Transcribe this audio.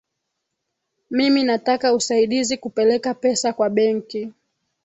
Mimi nataka usaidizi kupeleka pesa kwa benki.